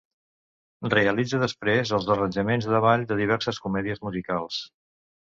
Realitza després els arranjaments de ball de diverses comèdies musicals.